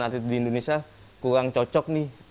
kebiasaan atlet di indonesia kurang cocok nih